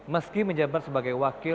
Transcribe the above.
meski menjabat sebagai wakil